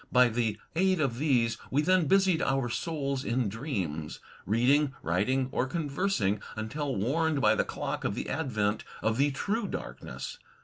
By the aid of these we then busied our souls in dreams — reading, writing, or conversing, until warned by the clock of the advent of the true darkness.